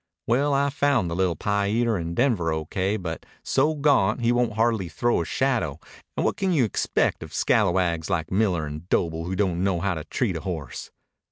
Well I found the little pie eater in Denver O K but so gaunt he wont hardly throw a shadow and what can you expect of scalawags like Miller and Doble who don't know how to treat a horse.